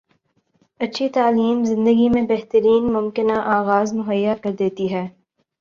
اچھی تعلیم زندگی میں بہترین ممکنہ آغاز مہیا کردیتی ہے